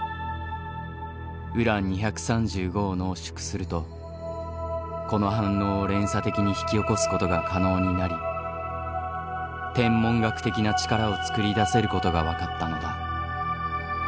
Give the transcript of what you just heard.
ウラン２３５を濃縮するとこの反応を連鎖的に引き起こすことが可能になり天文学的な力を作り出せることが分かったのだ。